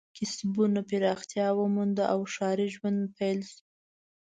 کسبونه پراختیا ومونده او ښاري ژوند پیل شو.